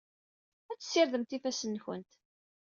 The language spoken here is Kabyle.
Ad tessirdemt ifassen-nwent.